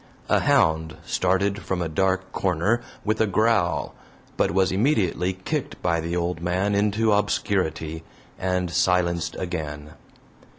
A hound started from a dark corner with a growl, but was immediately kicked by the old man into obscurity, and silenced again.